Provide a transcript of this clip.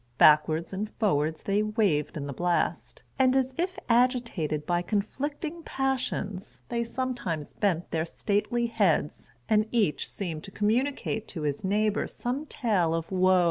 Backwards and forwards they waved in the blast; and as if agitated by conflicting passions, they sometimes bent their stately heads, and each seemed to communicate to his neighbor some tale of wo.